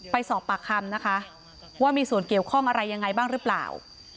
ไปสอบปากคำนะคะว่ามีส่วนเกี่ยวข้องอะไรยังไงบ้างหรือเปล่า